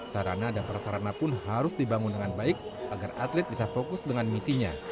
sarana dan prasarana pun harus dibangun dengan baik agar atlet bisa fokus dengan misinya